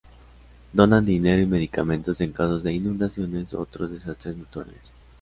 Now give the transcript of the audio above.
Donan dinero y medicamentos en casos de inundaciones u otros desastres naturales.